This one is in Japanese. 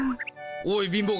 おい貧乏神